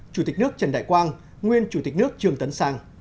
chủ tịch nước trần đại quang nguyên chủ tịch nước trương tấn sang